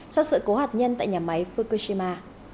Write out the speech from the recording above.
sau sự cố hạt nhân tại nhà máy fukushima